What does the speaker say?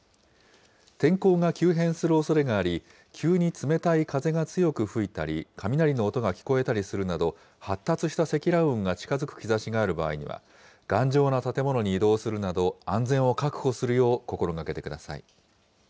天候が急変するおそれがあり、急に冷たい風が強く吹いたり雷の音が聞こえたりするなど、発達した積乱雲が近づく兆しがある場合には、頑丈な建物に移動するなど、安全を確保するよう心がけてください。